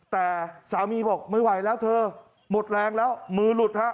แต่สามีบอกไม่ไหวแล้วเธอหมดแรงแล้วมือหลุดฮะ